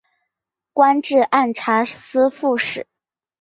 官至按察司副使。